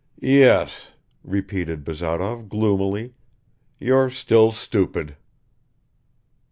"Yes," repeated Bazarov gloomily. "You're still stupid."